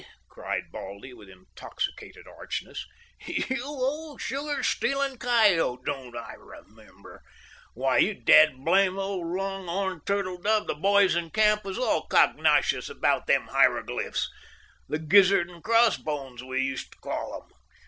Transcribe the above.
cried Baldy, with intoxicated archness. "You old sugar stealing coyote! Don't I remember! Why, you dad blamed old long horned turtle dove, the boys in camp was all cognoscious about them hiroglyphs. The 'gizzard and crossbones' we used to call it.